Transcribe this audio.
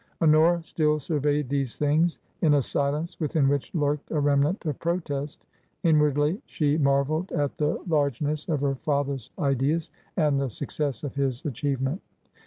Honora still surveyed these things in a silence within which lurked a remnant of protest. Inwardly she mar velled at the largeness of her father's ideas and the suc cess of his achievement.